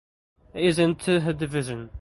It is in Tirhut division.